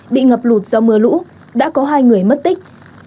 bị ngập lụt do mưa lũ đã có hai người mất tích